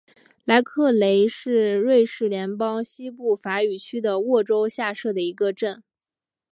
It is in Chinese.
莱克雷是瑞士联邦西部法语区的沃州下设的一个镇。